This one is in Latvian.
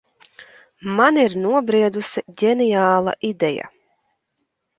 Man ir nobriedusi ģeniāla ideja.